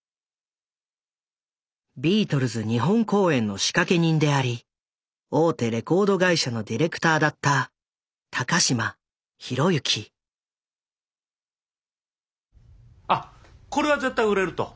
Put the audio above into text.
ビートルズ日本公演の仕掛け人であり大手レコード会社のディレクターだったあっこれは絶対売れると。